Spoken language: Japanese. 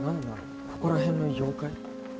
ここら辺の妖怪？